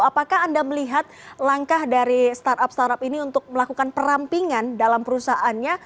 apakah anda melihat langkah dari startup startup ini untuk melakukan perampingan dalam perusahaannya